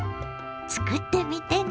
作ってみてね。